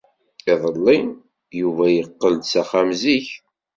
Iḍelli, Yuba yeqqel-d s axxam zik.